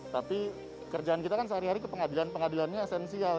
tapi kerjaan kita kan sehari hari ke pengadilan pengadilannya esensial